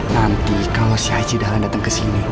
nanti kalau si haji dahlan datang kesini